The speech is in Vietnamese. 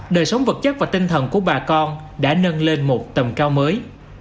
đời sống vật chất và tinh thần của bà con đã nâng lên một tầm cao mới